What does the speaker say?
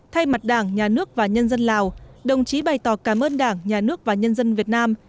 thay mặt đảng nhà nước và nhân dân lào đồng chí bày tỏ cảm ơn đảng nhà nước và nhân dân việt nam